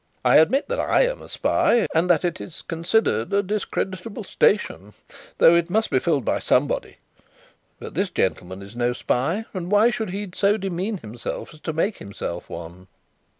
I admit that I am a spy, and that it is considered a discreditable station though it must be filled by somebody; but this gentleman is no spy, and why should he so demean himself as to make himself one?"